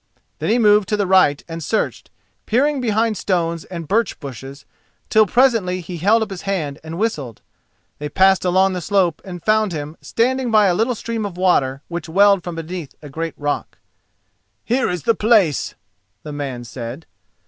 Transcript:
Then he moved to the right and searched, peering behind stones and birch bushes, till presently he held up his hand and whistled. They passed along the slope and found him standing by a little stream of water which welled from beneath a great rock. "Here is the place," the man said.